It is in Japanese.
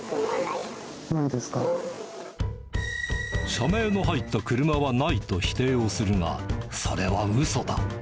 社名の入った車はないと否定はするが、それはうそだ。